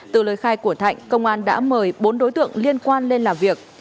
từ lời khai của thạnh công an đã mời bốn đối tượng liên quan lên làm việc